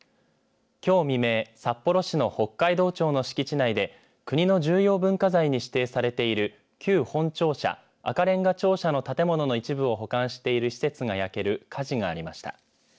きょう未明札幌市の北海道庁の敷地内で国の重要文化財に指定されている旧本庁舎赤れんが庁舎の建物の一部を保管している施設が焼ける火事がありました。